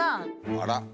あら。